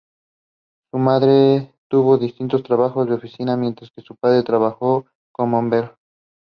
He also tends to follow the latest health food and fitness fads.